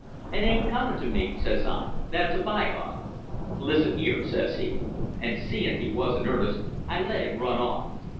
"'It ain't comin' to me,' says I. 'That's a bygone!' "'Listen here,' says he, an', seein' he was in earnest, I let him run on.